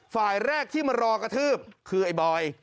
ฝ่ายแรกที่มารอกระทืบคือไอ้บอย